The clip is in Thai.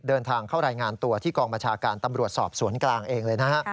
เดินทางเข้ารายงานตัวที่กองบัญชาการตำรวจสอบสวนกลางเองเลยนะฮะ